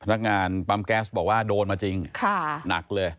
พนักงานปั๊มแก๊สบอกว่าโดนมาจริงค่ะ